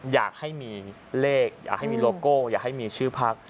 อยากให้มีเลขอยากให้มีโลโก้อยากให้มีชื่อพัก